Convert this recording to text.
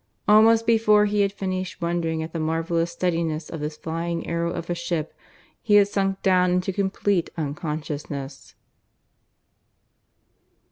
Almost before he had finished wondering at the marvellous steadiness of this flying arrow of a ship, he had sunk down into complete unconsciousness.